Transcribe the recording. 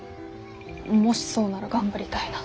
もしそうなら頑張りたいなって。